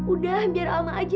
udah biar alma aja